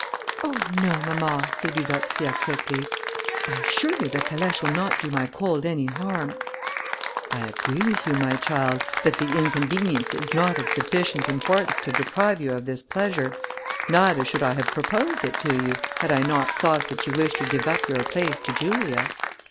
"Oh no, mamma," said Eudoxia quickly, "I assure you the calèche will not do my cold any harm." "I agree with you, my child, that the inconvenience is not of sufficient importance to deprive you of this pleasure, neither should I have proposed it to you, had I not thought that you wished to give up your place to Julia."